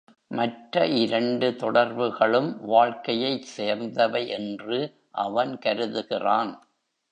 மற்ற இரண்டு தொடர்புகளும் வாழ்க்கையைச் சேர்ந்தவை என்று அவன் கருதுகிறான்.